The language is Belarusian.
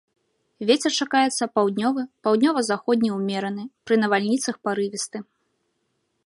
Вецер чакаецца паўднёвы, паўднёва-заходні ўмераны, пры навальніцах парывісты.